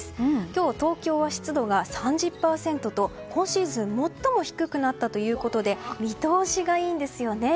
今日、東京は湿度３０％と今シーズン最も低くなったということで見通しがいいんですよね。